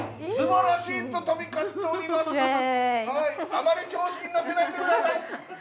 あまりちょうしにのせないでください！